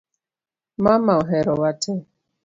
Mama oherowa te